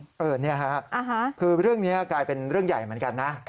นี่ค่ะคือเรื่องนี้กลายเป็นเรื่องใหญ่เหมือนกันนะ